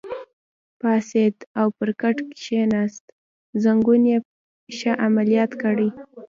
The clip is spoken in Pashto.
پاڅېد او پر کټ کېناست، زنګون یې ښه عملیات کړی.